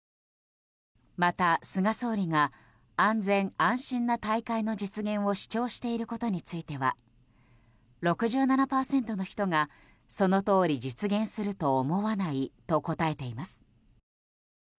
また、菅総理が安心・安全な大会の実現を主張していることについては６７％の人が、そのとおり実現するとは思わないと答えています。